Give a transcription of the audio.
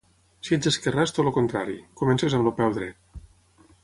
Si ets esquerrà, és tot el contrari; comences amb el peu dret.